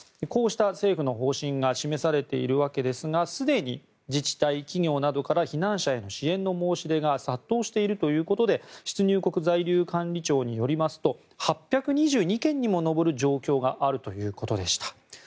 こうした政府の方針が示されているわけですがすでに自治体、企業などから避難者への支援の申し出が殺到しているということで出入局在留管理庁によりますと８２２件に上る状況があるということでした。